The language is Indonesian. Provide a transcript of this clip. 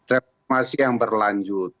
reformasi yang berlanjut